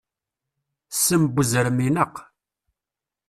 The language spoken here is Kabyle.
Ssem n uzrem ineqq.